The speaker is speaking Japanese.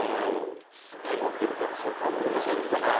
天国で見てらっしゃるとは思いますけどね。